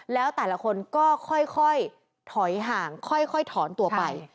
แล้วแต่ละคนก็ค่อยถอยห่างค่อยถอนตัวไป